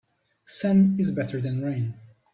Sun is better than rain.